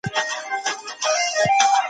ډېر کسان ووژل شول.